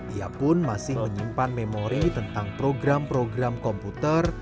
ia pun masih menyimpan memori tentang program program komputer